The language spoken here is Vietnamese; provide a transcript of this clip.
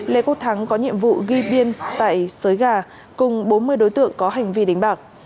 lê quốc thắng có nhiệm vụ ghi biên tại sới gà cùng bốn mươi đối tượng có hành vi đánh bạc